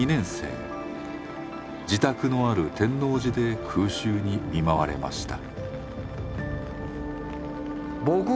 自宅のある天王寺で空襲に見舞われました。